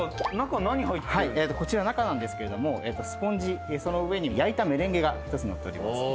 こちら中なんですけどもスポンジその上に焼いたメレンゲが一つのっております。